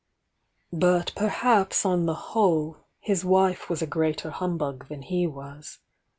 ,.., i _ But perhaps on the whole, his wife was a greater humbug than he was.